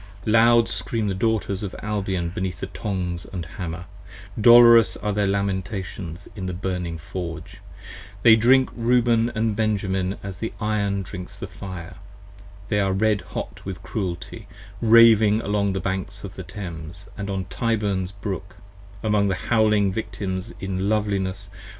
Loud scream the Daughters of Albion beneath the Tongs & Hammer, 45 Dolorous are their lamentations in the burning Forge: They drink Reuben & Benjamin as the iron drinks the fire: They are red hot with cruelty: raving along the Banks of Thames And on Tyburn's Brook, among the howling Victims in loveliness.